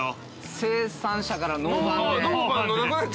生産者からノーバンで。